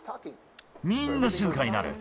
みんな静かになる。